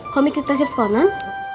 komik di tresif conan